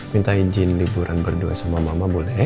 minta izin liburan berdua sama mama boleh